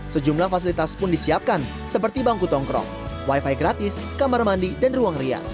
sejumlah fasilitas pun disiapkan seperti bangku tongkrong wifi gratis kamar mandi dan ruang rias